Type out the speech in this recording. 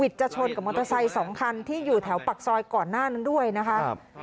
จะชนกับมอเตอร์ไซค์สองคันที่อยู่แถวปากซอยก่อนหน้านั้นด้วยนะคะ